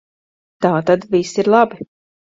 Tātad viss ir labi.